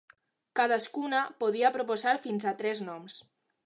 Cadascuna, podia proposar fins a tres noms.